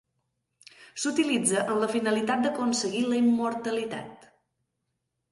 S'utilitza amb la finalitat d'aconseguir la immortalitat.